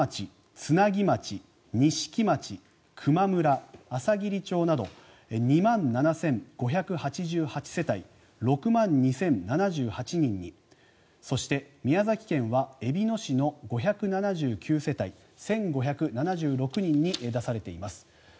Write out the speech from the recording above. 津奈木町錦町、球磨村、あさぎり町など２万７５８８世帯６万２０７８人にそして、宮崎県はえびの市の５７９世帯１５７６人に出されています。